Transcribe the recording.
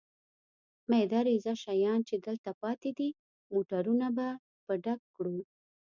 مېده رېزه شیان چې دلته پاتې دي، موټرونه به په ډک کړو.